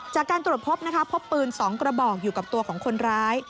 จากการตรวจพบนะคะพบปืน๒กระบอกอยู่กับตัวของคนร้าย